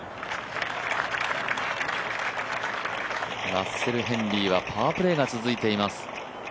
ラッセル・ヘンリーはパープレーが続いています。